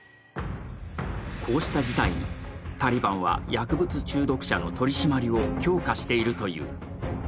こうした事態にタリバンは、薬物中毒者の取り締まりを強化しているという。